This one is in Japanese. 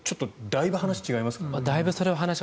だいぶ話は違いますね。